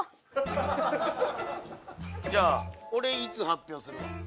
じゃあ俺「いつ」発表するわ。